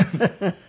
フフ！